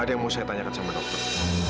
ada yang mau saya tanyakan sama dokter